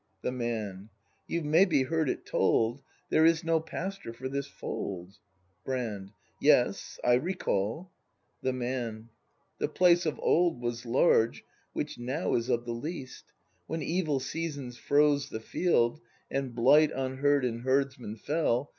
The Man. You've maybe heard it told, There is no pastor for this fold. Brand. Yes; I recall The Man. The place of old Was large, which now is of the least. When evil seasons froze the field, And blight on herd and herdsman fell.